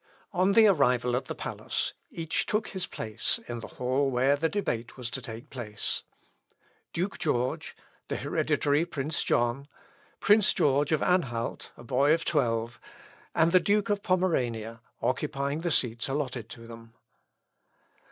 On the arrival at the palace, each took his place in the hall where the debate was to take place Duke George, the hereditary Prince John, Prince George of Anhalt, a boy of twelve, and the Duke of Pomerania, occupying the seats allotted to them.